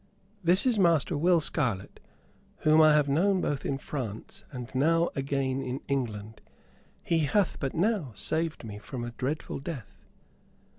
"This is Master Will Scarlett, whom I have known both in France and now again in England. He hath but now saved me from a dreadful death."